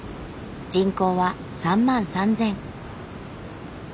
人口は３万３，０００。